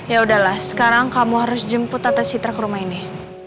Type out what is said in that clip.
yaudah lah sekarang kamu harus jemput tante citra ke rumah ini